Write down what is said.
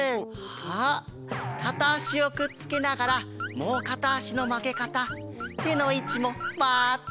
あっかたあしをくっつけながらもうかたあしのまげかたてのいちもまったくおなじ！